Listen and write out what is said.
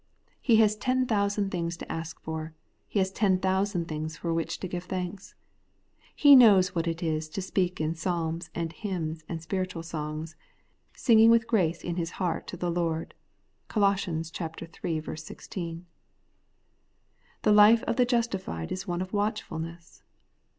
He has ten thousand things to ask for ; he has ten thousand things for .which to give thanks. He knows what it is to speak in psalms and hymns and spiritual songs, singing with grace in his heart to the Lord (Col. iii. 1 6). The life of the justified is one of watchfulness.